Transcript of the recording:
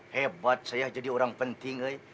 hebat saya jadi orang penting